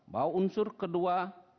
bahwa unsur kedua